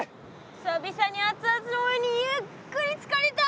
久々に熱々のお湯にゆっくりつかりたい！